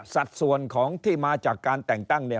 สัดส่วนของที่มาจากการแต่งตั้งเนี่ย